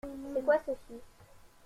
C’est quoi ceux-ci ?